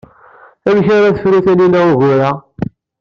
Amek ara tefru Taninna ugur-a?